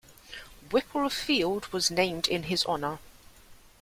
Whipple Field was named in his honor.